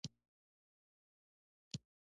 د کندهار امنیه قوماندان هغه په مخامخ ډزو وواژه.